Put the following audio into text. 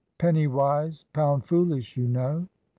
Penny wise, pound foolish, you know."